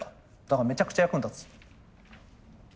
だからめちゃくちゃ役に立つ。